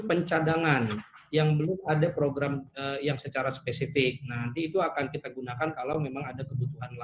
pencadangan yang belum ada program yang secara spesifik nanti itu akan kita gunakan kalau memang ada kebutuhan